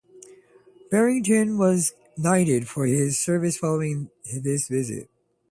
Barrington was knighted for his service following this visit.